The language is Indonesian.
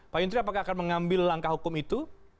pak yuntri apakah akan mengambil langkah hukum itu